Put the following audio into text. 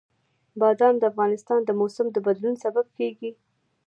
بادام د افغانستان د موسم د بدلون سبب کېږي.